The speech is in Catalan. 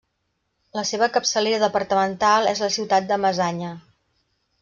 La seva capçalera departamental és la ciutat de Masaya.